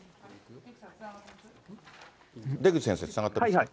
出口先生、つながってますか。